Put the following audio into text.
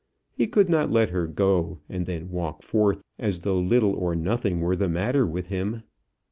He could not let her go, and then walk forth as though little or nothing were the matter with him.